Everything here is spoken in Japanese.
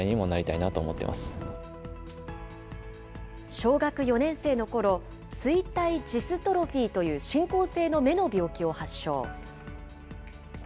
小学４年生のころ、錐体ジストロフィーという進行性の目の病気を発症。